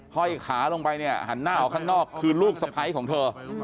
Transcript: ห้อยขาลงไปเนี่ยหันหน้าออกข้างนอกคือลูกสะพ้ายของเธอ